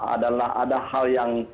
adalah ada hal yang